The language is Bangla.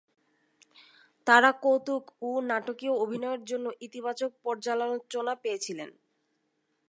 তার কৌতুক এবং নাটকীয় অভিনয়ের জন্য ইতিবাচক পর্যালোচনা পেয়েছিলেন।